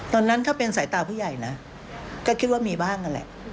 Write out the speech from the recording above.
ตอนนั้นถ้าเป็นสายตาผู้ใหญ่นะก็คิดว่ามีบ้างนั่นแหละ